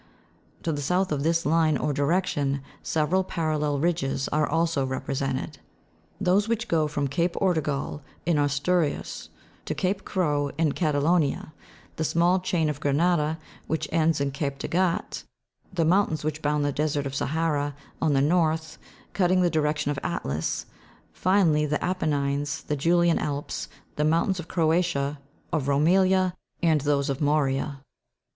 To the south of this line of direction several parallel ridges are also represented : those which go from Cape Ortegal, in Asturias, to Cape Creux, in Catalonia; the small chain of Granada, which ends in Cape de Gatte ; the mountains which bound the desert of Sahara on the north, cutting the direction of Atlas ; finally, the Apennines, the Julian Alps, the mountains of Croatia, of Romelia, and those of the Morea.